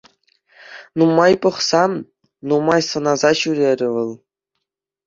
Нумай пӑхса, нумай сӑнаса ҫӳрерӗ вӑл.